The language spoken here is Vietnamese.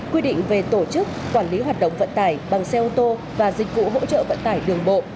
quy định về tổ chức quản lý hoạt động vận tải bằng xe ô tô và dịch vụ hỗ trợ vận tải đường bộ